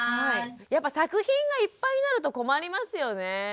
やっぱ作品がいっぱいになると困りますよね。